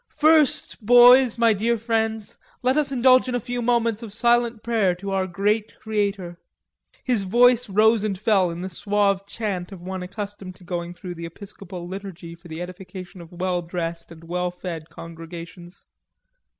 "First, boys, my dear friends, let us indulge in a few moments of silent prayer to our Great Creator," his voice rose and fell in the suave chant of one accustomed to going through the episcopal liturgy for the edification of well dressed and well fed congregations.